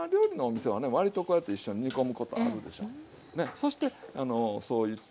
そしてそういった。